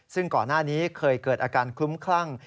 ซึ่งก่อนหน้านี้เคยเกิดอาการคลุ้มคลั่ง